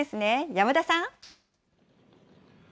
山田さん。